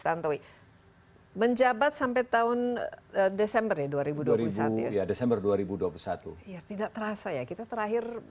tantowi menjabat sampai tahun desember ya dua ribu dua puluh satu ya desember dua ribu dua puluh satu iya tidak terasa ya kita terakhir